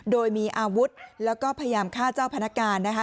โดยมีอาวุธแล้วก็พยายามฆ่าเจ้าพนักงานนะคะ